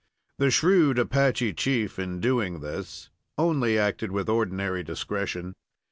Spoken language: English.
The shrewd Apache chief, in doing this, only acted with ordinary discretion.